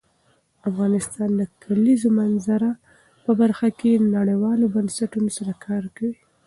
افغانستان د د کلیزو منظره په برخه کې نړیوالو بنسټونو سره کار کوي.